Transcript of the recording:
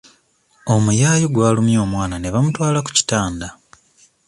Omuyaayu gwalumye omwana ne bamutwala ku kitanda.